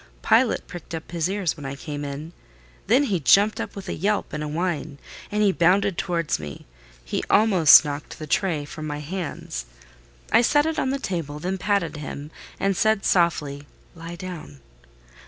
Pilot pricked up his ears when I came in: then he jumped up with a yelp and a whine, and bounded towards me: he almost knocked the tray from my hands. I set it on the table; then patted him, and said softly, "Lie down!"